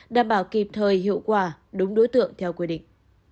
đảm bảo kịp thời hiệu quả đúng đối tượng theo quy định